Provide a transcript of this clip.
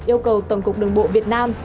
yêu cầu tổng cục đường bộ việt nam